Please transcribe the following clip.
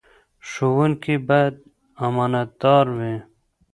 ښوونکي باید امانتدار وي.